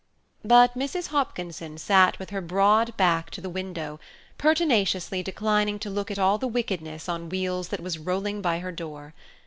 But Mrs. Hopkinson sat with her broad back to the window, pertinaciously declining to look at all the wickedness on wheels that was rolling by her door.